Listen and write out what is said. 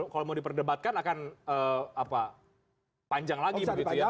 kalau mau diperdebatkan akan panjang lagi